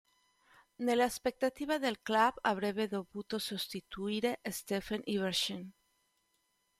Nelle aspettative del club, avrebbe dovuto sostituire Steffen Iversen.